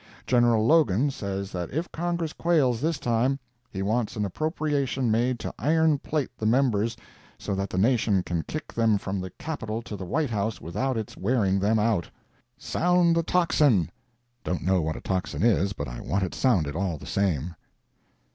Gen. Logan says that if Congress quails this time, he wants an appropriation made to iron plate the members so that the nation can kick them from the Capitol to the White House without its wearing them out! Sound the tocsin! don't know what a tocsin is, but I want it sounded, all the same.